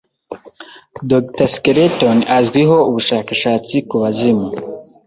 Dr. Skeleton azwiho ubushakashatsi ku bazimu.